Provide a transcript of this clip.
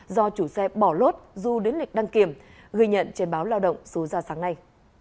do chủ xe bỏ lốt dù đến lịch đăng kiểm ghi nhận trên báo lao động số ra sáng nay